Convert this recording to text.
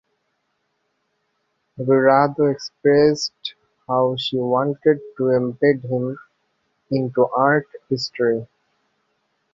Guirado expressed how she wanted to embed him into art history.